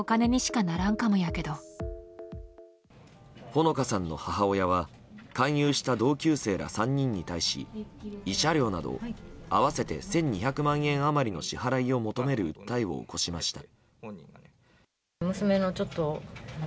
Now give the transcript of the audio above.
穂野香さんの母親は勧誘した同級生ら３人に対し慰謝料など合わせて１２００万円余りの支払いを求める訴えを起こしました。